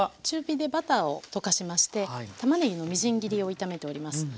中火でバターを溶かしましてたまねぎのみじん切りを炒めております。